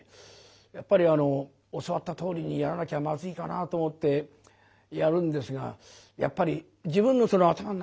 やっぱり教わったとおりにやらなきゃまずいかなと思ってやるんですがやっぱり自分の頭の中にね